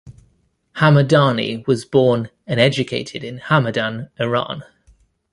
Hamadani was born and educated in Hamadan, Iran.